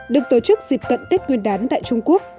được tổ chức dịp cận tết nguyên đán tại trung quốc